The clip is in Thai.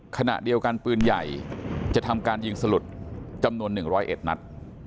ขณะเดียวกันปืนใหญ่จะทำการยิงสลุดจำนวน๑๐๑นัด